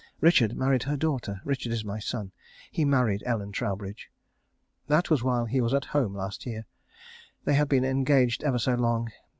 Richard married her daughter. Richard is my son. He married Ellen Troubridge. That was while he was at home last year. They had been engaged ever so long.